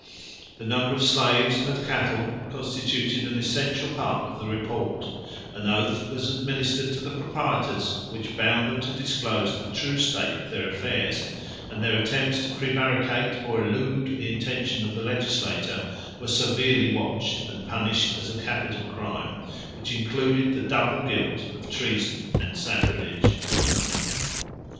The numbers of slaves and of cattle constituted an essential part of the report; an oath was administered to the proprietors, which bound them to disclose the true state of their affairs; and their attempts to prevaricate, or elude the intention of the legislator, were severely watched, and punished as a capital crime, which included the double guilt of treason and sacrilege.